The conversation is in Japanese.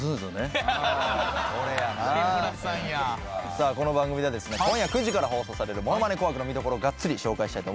さあこの番組ではですね今夜９時から放送される『ものまね紅白』の見どころがっつり紹介したいと思います。